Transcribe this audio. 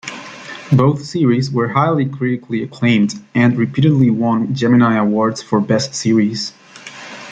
Both series were highly critically acclaimed and repeatedly won Gemini awards for Best Series.